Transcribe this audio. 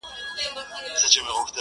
عجيب سړى يم له سهاره تر غرمې بيدار يم،